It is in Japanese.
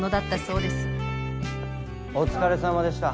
お疲れさまでした。